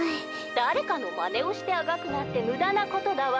「だれかのまねをしてあがくなんてむだなことだわ」。